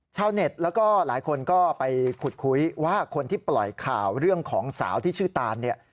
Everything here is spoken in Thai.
ชาวเน็ตแล้วก็หลายคนก็ไปขุดคุยว่าคนที่ปล่อยข่าวเรื่องของสาวที่ชื่อตานเนี่ย